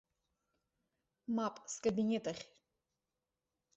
Мап, скабинет ахь!